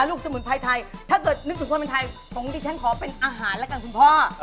สมุนไพรไทยถ้าเกิดนึกถึงคนเป็นไทยตรงนี้ฉันขอเป็นอาหารแล้วกันคุณพ่อ